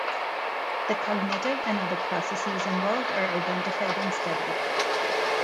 The cognitive and other processes involved are identified and studied.